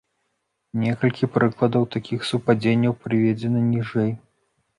Некалькі прыкладаў такіх супадзенняў прыведзена ніжэй.